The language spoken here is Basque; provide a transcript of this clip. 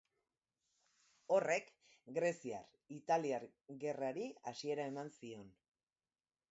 Horrek Greziar-italiar gerrari hasiera eman zion.